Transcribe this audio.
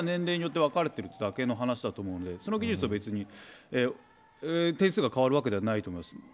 それが年齢によって分かれてるだけの話だと思うのでその点数が変わるわけじゃないと思います。